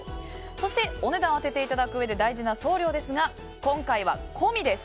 そして、お値段を当てていただくうえで大事な送料ですが今回は、込みです。